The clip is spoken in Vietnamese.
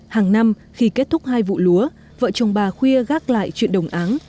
hàng năm khi kết thúc hai vụ lúa vợ chồng bà khuya gác lại chuyện đồng áng